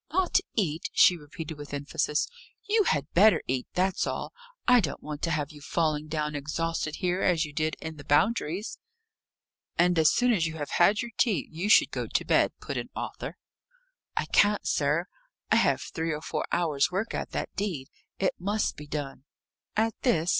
"Not eat!" she repeated with emphasis. "You had better eat that's all. I don't want to have you falling down exhausted here, as you did in the Boundaries." "And as soon as you have had your tea, you should go to bed," put in Arthur. "I can't, sir. I have three or four hours' work at that deed. It must be done." "At this?"